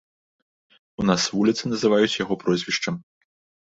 У нас вуліцы называюць яго прозвішчам.